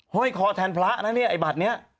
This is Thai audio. ห้อยคอแทนพระนะเนี่ยไอ้บัตรนี้